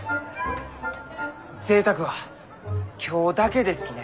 ぜいたくは今日だけですきね。